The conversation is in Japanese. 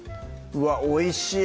うわっおいしい